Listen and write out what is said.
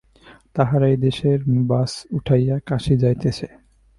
তাহারা এদেশের বাস উঠাইয়া কাশী যাইতেছে।